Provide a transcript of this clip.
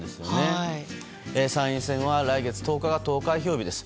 参院選は来月１０日が投開票日です。